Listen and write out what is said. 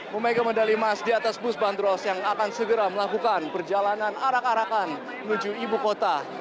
memegang medali emas di atas bus bandros yang akan segera melakukan perjalanan arak arakan menuju ibu kota